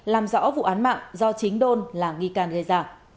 làm rõ vụ án mạng do chính đôn là nghi can gây ra